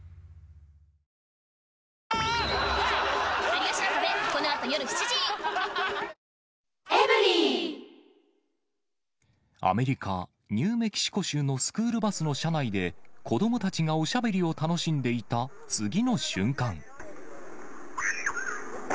最高気温も２１度と、過ごしやすアメリカ・ニューメキシコ州のスクールバスの車内で、子どもたちがおしゃべりを楽しんでいた次の瞬間。